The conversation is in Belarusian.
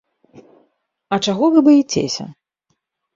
А чаго вы баіцеся?